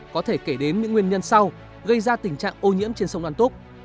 có thể kể đến những nguyên nhân sau gây ra tình trạng ô nhiễm trên sông đoan túc